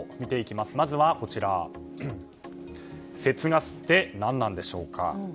まずは、節ガスって何なんでしょうか。